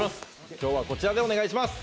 今日はこちらでお願いします。